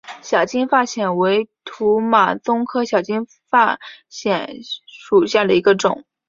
小金发藓为土马鬃科小金发藓属下的一个种。